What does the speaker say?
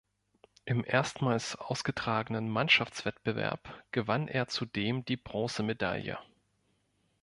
Im erstmals ausgetragenen Mannschaftswettbewerb gewann er zudem die Bronzemedaille.